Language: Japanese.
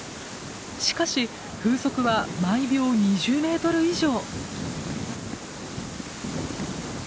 しかし風速は毎秒２０メートル以上。